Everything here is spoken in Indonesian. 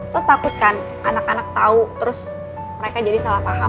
tuh takut kan anak anak tahu terus mereka jadi salah paham